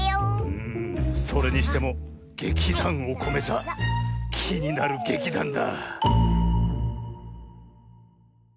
それにしても劇団おこめ座きになる劇団だ。